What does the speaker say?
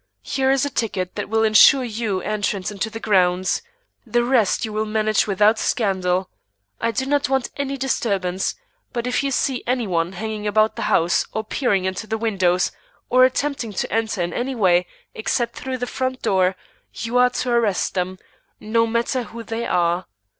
"Here is a ticket that will insure you entrance into the grounds; the rest you will manage without scandal. I do not want any disturbance, but if you see any one hanging about the house or peering into the windows or attempting to enter in any way except through the front door, you are to arrest them, no matter who they are.